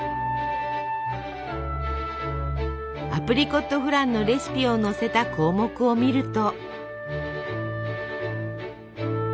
アプリコットフランのレシピを載せた項目を見ると。